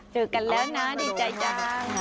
เจอกันแล้วนะดีใจจ้า